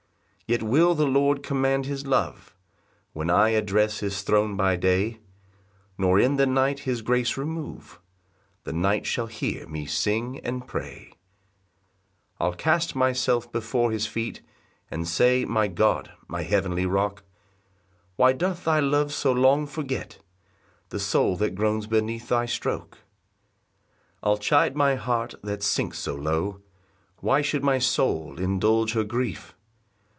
3 Yet will the Lord command his love, When I address his throne by day, Nor in the night his grace remove; The night shall hear me sing and pray. 4 I'll cast myself before his feet, And say "My God, my heavenly Rock, "Why doth thy love so long forget "The soul that groans beneath thy stroke?" 5 I'll chide my heart that sinks so low, Why should my soul indulge her grief?